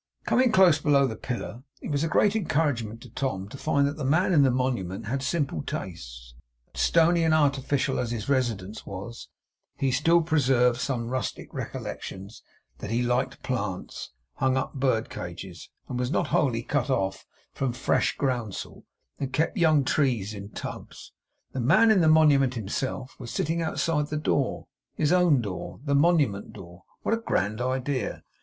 Coming close below the pillar, it was a great encouragement to Tom to find that the Man in the Monument had simple tastes; that stony and artificial as his residence was, he still preserved some rustic recollections; that he liked plants, hung up bird cages, was not wholly cut off from fresh groundsel, and kept young trees in tubs. The Man in the Monument, himself, was sitting outside the door his own door: the Monument door: what a grand idea!